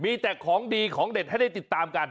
มีแต่ของดีของเด็ดให้ได้ติดตามกัน